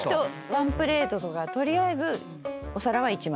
ワンプレートとか取りあえずお皿は１枚。